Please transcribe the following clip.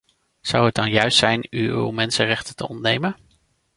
Zou het dan juist zijn u uw mensenrechten te ontnemen?